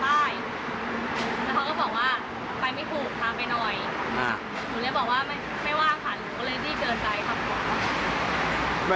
ด้วยวันอาทิตย์ที่แล้ว